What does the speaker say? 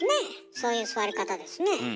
そういう座り方ですねえ。